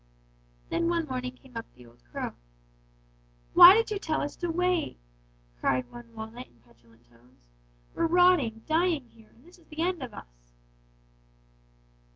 "Then one morning came up the old crow. "'Why did you tell us to wait?' cried one walnut in petulant tones. 'We're rotting, dying here, and this is the end of us.'